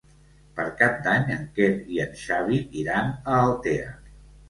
Per Cap d'Any en Quer i en Xavi iran a Altea.